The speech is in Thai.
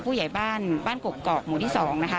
ผู้ใหญ่บ้านบ้านกกอกหมู่ที่๒นะคะ